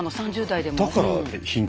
３０代でも。